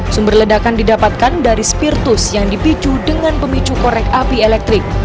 sumber ledakan didapatkan dari spirtus yang dipicu dengan pemicu korek api elektrik